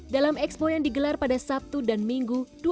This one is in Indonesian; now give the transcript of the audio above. dalam expo yang digelar pada sabtu dan minggu